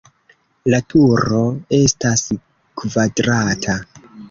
La turo estas kvadrata.